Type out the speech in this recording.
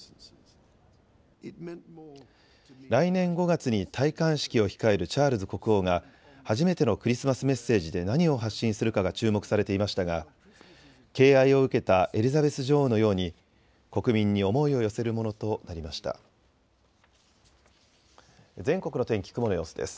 来年５月に戴冠式を控えるチャールズ国王が初めてのクリスマスメッセージで何を発信するかが注目されていましたが敬愛を受けたエリザベス女王のように国民に思いを寄せるものとなりました。